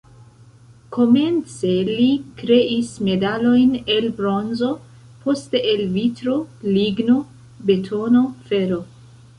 Komence li kreis medalojn el bronzo, poste el vitro, ligno, betono, fero.